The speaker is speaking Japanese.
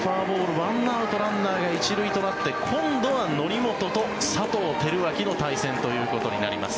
１アウトランナーが１塁となって今度は則本と佐藤輝明の対戦となります。